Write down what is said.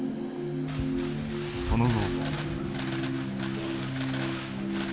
その後。